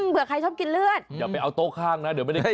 เผื่อใครชอบกินเลือดอย่าไปเอาโต๊ะข้างนะเดี๋ยวไม่ได้กิน